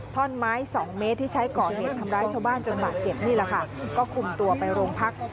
ท่อนไม้สองเมตรที่ใช้ก่อเหตุทำร้ายชาวบ้านจนบาดเจ็บนี่แหละค่ะก็คุมตัวไปโรงพัก